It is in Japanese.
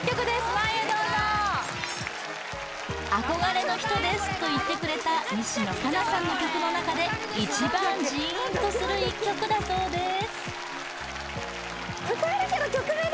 前へどうぞ憧れの人ですと言ってくれた西野カナさんの曲の中で一番ジーンとする１曲だそうです